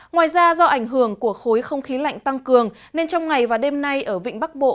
ngoài ra do ảnh hưởng của khối không khí lạnh tăng cường nên trong ngày và đêm nay ở vịnh bắc bộ